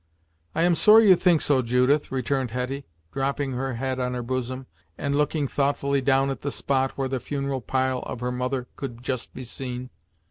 "I am sorry you think so, Judith," returned Hetty, dropping her head on her bosom, and looking thoughtfully down at the spot where the funeral pile of her mother could just be seen.